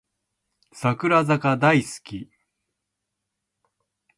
櫻坂大好き